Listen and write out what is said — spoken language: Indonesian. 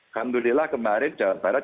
alhamdulillah kemarin jawa barat